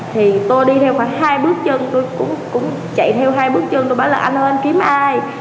thì tôi đi theo khoảng hai bước chân tôi cũng chạy theo hai bước chân tôi bảo là anh ơi kiếm ai